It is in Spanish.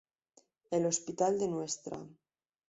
El Hospital de Ntra.